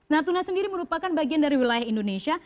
natuna sendiri merupakan bagian dari wilayah indonesia